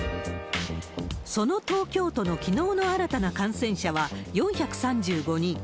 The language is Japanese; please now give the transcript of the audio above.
その東京都のきのうの新たな感染者は４３５人。